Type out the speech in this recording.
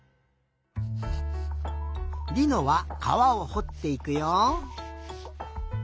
りのはかわをほっていくよ。